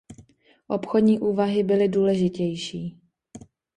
Obchodní úvahy byly důležitější.